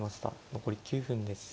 残り９分です。